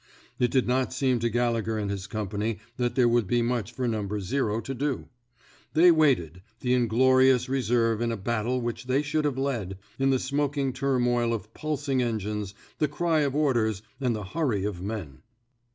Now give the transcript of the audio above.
It did not seem to Gallegher and his company that there would be much for No. to do. They waited — the inglorious reserve in a battle which they should have led — in the smoking turmoil of pulsing engines, the cry of orders, and the hurry of men.